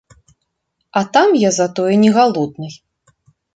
А там я затое не галодны.